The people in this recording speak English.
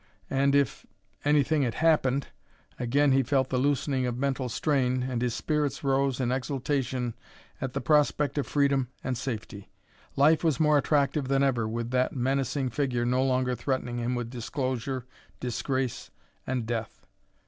And if anything had happened again he felt the loosening of mental strain and his spirits rose in exultation at the prospect of freedom and safety. Life was more attractive than ever with that menacing figure no longer threatening him with disclosure, disgrace, and death.